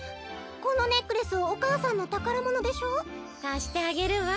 このネックレスお母さんのたからものでしょ？かしてあげるわ。